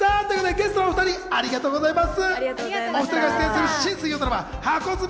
ゲストのお２人、ありがとうございます。